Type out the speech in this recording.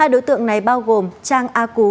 hai đối tượng này bao gồm trang a cú